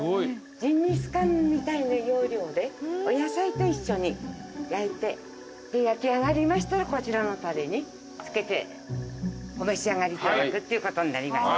ジンギスカンみたいな要領でお野菜と一緒に焼いて焼き上がりましたらこちらのたれにつけてお召し上がりいただくっていうことになります。